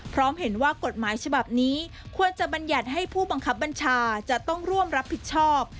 พร้อมเห็นว่ากฎหมายฉบับนี้ควรจะบรรยัติให้ผู้บังคับบัญชาจะต้องร่วมรับผิดชอบ